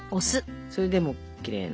それでもうきれいな。